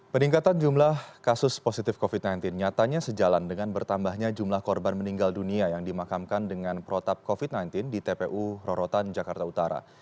peningkatan jumlah kasus positif covid sembilan belas nyatanya sejalan dengan bertambahnya jumlah korban meninggal dunia yang dimakamkan dengan protap covid sembilan belas di tpu rorotan jakarta utara